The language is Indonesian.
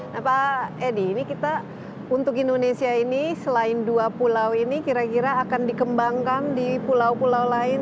nah pak edi ini kita untuk indonesia ini selain dua pulau ini kira kira akan dikembangkan di pulau pulau lain